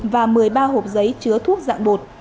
và một mươi ba hộp giấy chứa thuốc dạng bột